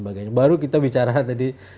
baru kita bicara tadi